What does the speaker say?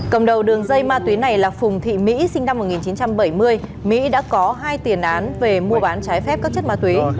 cầm đầu đường dây ma túy này là phùng thị mỹ sinh năm một nghìn chín trăm bảy mươi mỹ đã có hai tiền án về mua bán trái phép các chất ma túy